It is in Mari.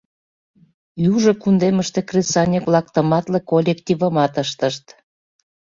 Южо кундемыште кресаньык-влак тыматле коллективымат ыштышт.